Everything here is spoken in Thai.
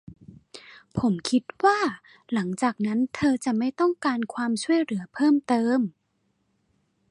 ผมคิดว่าหลังจากนั้นเธอจะไม่ต้องการความช่วยเหลือเพิ่มเติม